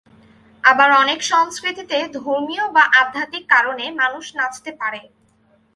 আবার অনেক সংস্কৃতিতে ধর্মীয় বা আধ্যাত্মিক কারণে মানুষ নাচতে পারে।